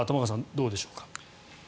どうでしょうか。